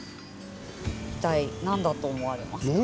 一体何だと思われますか？